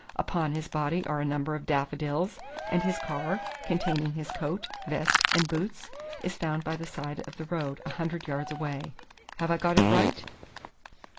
Upon his body are a number of daffodils, and his car, containing his coat, vest and boots, is found by the side of the road a hundred yards away. Have I got it right?"